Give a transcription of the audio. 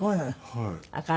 はい。